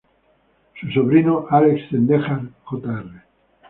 Su sobrino Alex Zendejas Jr.